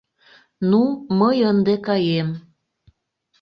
Ну, мый ынде каем...